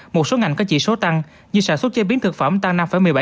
một số ngành có chỉ số tăng như sản xuất chế biến thực phẩm tăng năm một mươi bảy